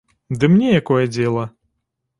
Ды мне якое дзела?